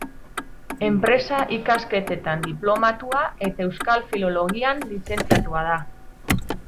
Enpresa-ikasketetan diplomatua eta euskal filologian lizentziatua da.